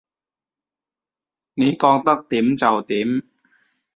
你覺得點就點